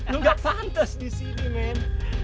lo gak pantas disini men